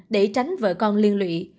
để tránh vợ con liên lụy